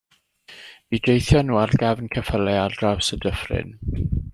Mi deithion nhw ar gefn ceffylau ar draws y dyffryn.